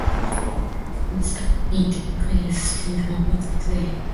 This town meeting practice still holds today.